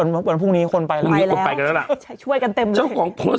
วันวันพรุ่งนี้คนไปแล้วช่วยกันเต็มเลย